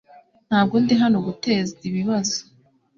Ntabwo ndi hano guteza ibibazo .